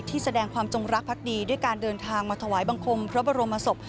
แสดงความจงรักพักดีด้วยการเดินทางมาถวายบังคมพระบรมศพ